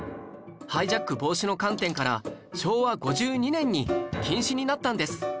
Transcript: ハイジャック防止の観点から昭和５２年に禁止になったんです